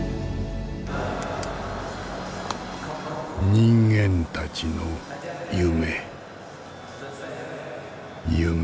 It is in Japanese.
人間たちの夢夢。